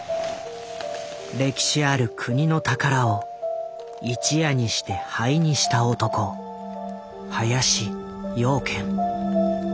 歴史ある国の宝を一夜にして灰にした男林養賢。